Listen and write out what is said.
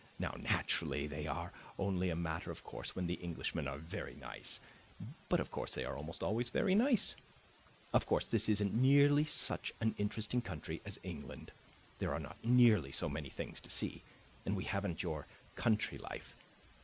Now, naturally, they are only a matter of course when the Englishmen are very nice. But, of course, they are almost always very nice. Of course this isn't nearly such an interesting country as England; there are not nearly so many things to see, and we haven't your country life.